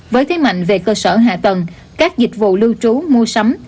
với thế mạnh về cơ sở hạ tầng các dịch vụ lưu trú mua sắm